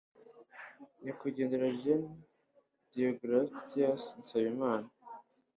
Nyakwigendera Gen Déogratias Nsabimana